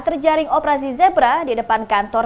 terjaring operasi zebra di depan kantor